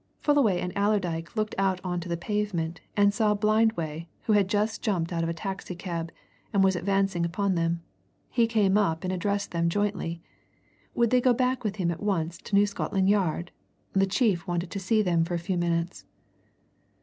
Fullaway and Allerdyke looked out on to the pavement and saw Blindway, who had just jumped out of a taxi cab, and was advancing upon them. He came up and addressed them jointly would they go back with him at once to New Scotland Yard? the chief wanted to see them for a few minutes.